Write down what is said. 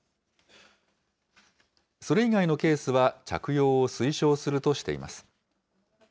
それ以外のケースは、着用を推奨するとしています。